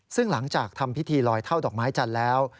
ซึ่งหลังจากทำพิธีลอยเท่าดอกไม้จันทร์แล้ว